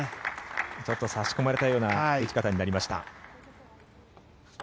ちょっと差し込まれたような打ち方になりました。